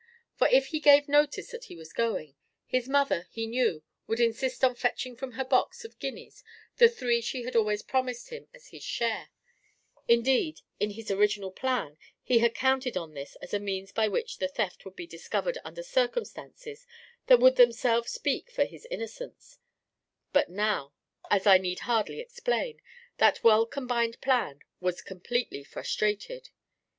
For if he gave notice that he was going, his mother, he knew, would insist on fetching from her box of guineas the three she had always promised him as his share; indeed, in his original plan, he had counted on this as a means by which the theft would be discovered under circumstances that would themselves speak for his innocence; but now, as I need hardly explain, that well combined plan was completely frustrated.